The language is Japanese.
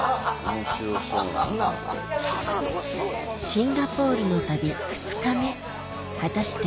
シンガポールの旅２日目果たして